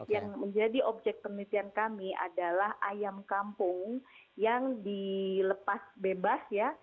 yang menjadi objek penelitian kami adalah ayam kampung yang dilepas bebas ya